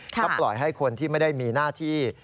ถ้าปล่อยให้คนที่ไม่ได้มีหน้าที่